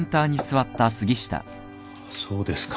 そうですか。